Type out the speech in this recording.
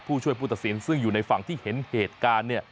ผู้ช่วยผู้ตัดสินซึ่งอยู่ในฝั่งที่เห็นเหตุการณ์